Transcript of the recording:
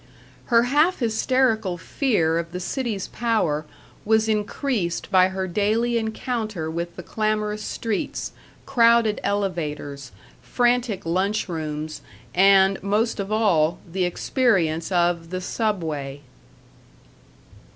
Her half hysterical fear of the city's power was increased by her daily encounter with the clamorous streets, crowded elevators, frantic lunch rooms, and, most of all, the experience of the Subway.